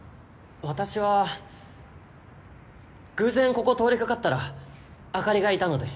私は偶然ここ通り掛かったらあかりがいたので。